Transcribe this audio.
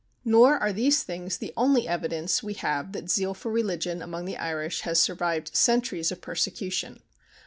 Nor are these things the only evidence we have that zeal for religion among the Irish has survived centuries of persecution.